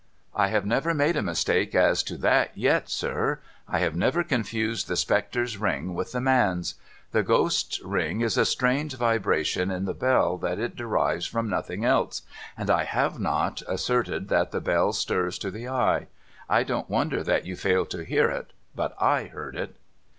' I have never made a mistake as to that yet, sir. I have never confused the spectre's ring with the man's. The ghost's ring is a strange vibration in the bell that it derives from nothing else, and I have not asserted that the bell stirs to the eye. I don't wonder that you failed to hear it. But / heard it.'